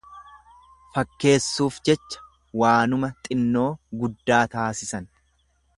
Fakkeessuuf jecha waanuma xinnoo guddaa taasisan.